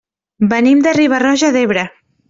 Venim de Riba-roja d'Ebre.